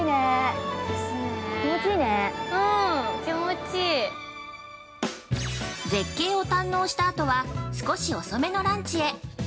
◆絶景を堪能したあとは、少し遅めのランチへ。